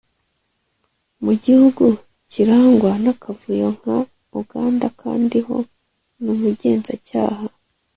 Mu gihugu cyirangwa n’akavuyo nka Uganda Kandiho ni umugenzacyaha